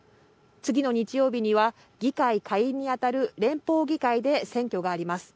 次の日曜日には議会下院にあたる連邦議会で選挙があります。